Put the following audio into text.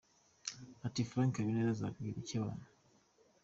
Ati Frank Habineza azabwira iki abantu ?